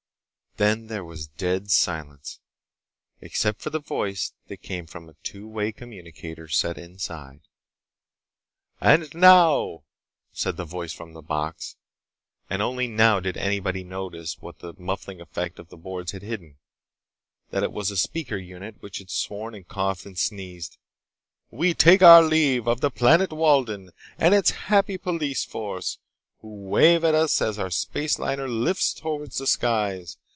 Then there was dead silence, except for the voice that came from a two way communicator set inside. "And now," said the voice from the box—and only now did anybody notice what the muffling effect of the boards had hidden, that it was a speaker unit which had sworn and coughed and sneezed—"we take our leave of the planet Walden and its happy police force, who wave to us as our space liner lifts toward the skies.